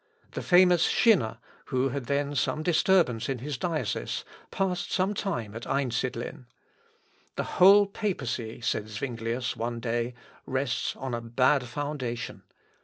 The famous Schinner, who had then some disturbance in his diocese, passed some time at Einsidlen. "The whole papacy," said Zuinglius one day, "rests on a bad foundation.